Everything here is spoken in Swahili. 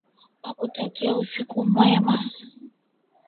Nakutakia usiku mwema.